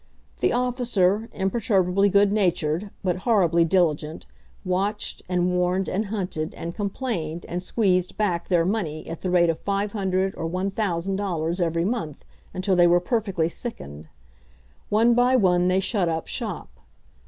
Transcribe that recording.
The officer, imperturbably good natured, but horribly diligent, watched, and warned, and hunted, and complained, and squeezed back their money at the rate of $500 or $1,000 every month, until they were perfectly sickened. One by one they shut up shop.